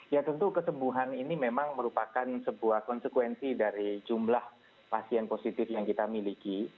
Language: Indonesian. ya tentu kesembuhan ini memang merupakan sebuah konsekuensi dari jumlah pasien positif yang kita miliki